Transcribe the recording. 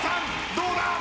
どうだ？